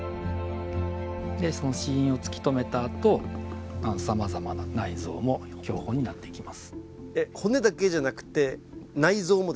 その死因を突き止めたあとさまざまな内臓も標本になっていきます。